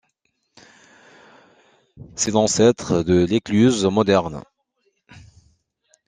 C'est l'ancêtre de l'écluse moderne.